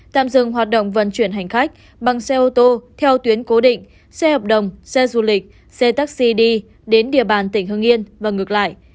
tạm dừng hoạt động vận chuyển hành khách bằng xe ô tô theo tuyến cố định xe hợp đồng xe du lịch xe taxi đi đến địa bàn tỉnh hưng yên và ngược lại